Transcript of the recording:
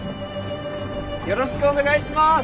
よろしくお願いします。